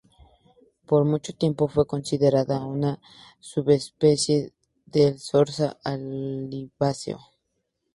Por mucho tiempo fue considerada una subespecie del zorzal oliváceo.